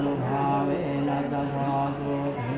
ทุติยังปิตพุทธธาเป็นที่พึ่ง